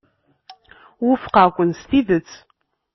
Wufqeɣ-ken s tidet.